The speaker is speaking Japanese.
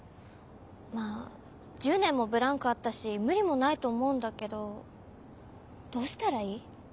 まぁ１０年もブランクあったし無理もないと思うんだけどどうしたらいい？